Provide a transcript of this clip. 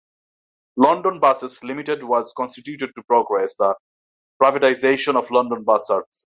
London Buses Limited was constituted to progress the privatisation of London bus services.